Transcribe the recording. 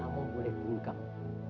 kamu boleh bunuh kamu